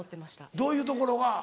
どういうところが？